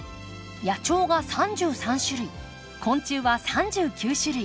野鳥が３３種類昆虫は３９種類。